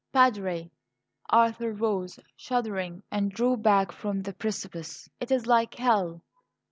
"Padre!" Arthur rose, shuddering, and drew back from the precipice. "It is like hell."